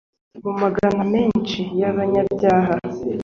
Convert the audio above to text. Mu magana menshi y'abanyabyaha,